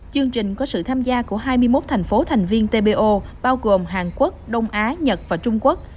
chương trình có sự tham gia của hai mươi một thành phố thành viên tpo bao gồm hàn quốc đông á nhật và trung quốc